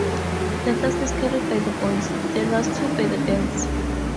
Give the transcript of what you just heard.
The first is carried by the boys, the last two by the girls.